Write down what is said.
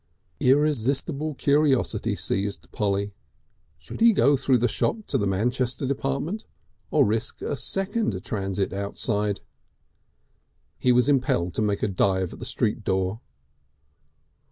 Irresistible curiosity seized Polly. Should he go through the shop to the Manchester department, or risk a second transit outside? He was impelled to make a dive at the street door.